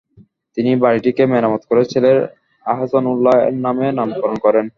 তিনি বাড়িটিকে মেরামত করে ছেলের আসহানউল্লাহ্ এর নামে নামকরণ করেন।